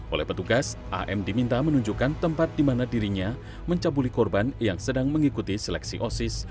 oleh petugas am diminta menunjukkan tempat di mana dirinya mencabuli korban yang sedang mengikuti seleksi osis